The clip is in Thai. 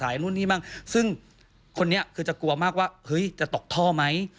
นู่นนี่บ้างซึ่งคนนี้คือจะกลัวมากว่าเฮ้ยจะตกท่อไหม